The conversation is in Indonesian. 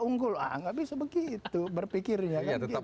unggul nggak bisa begitu berpikirnya tetap